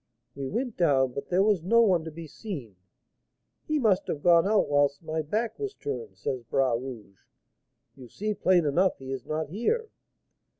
We went down, but there was no one to be seen. 'He must have gone out whilst my back was turned,' says Bras Rouge; 'you see plain enough he is not here.'